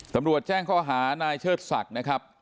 ตำรวจแจ้งข้อหานายเชิดศักดิ์นะครับ